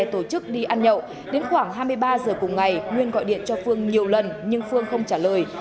tổ chức đi ăn nhậu đến khoảng hai mươi ba giờ cùng ngày nguyên gọi điện cho phương nhiều lần nhưng phương không trả lời